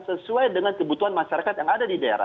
sesuai dengan kebutuhan masyarakat yang ada di daerah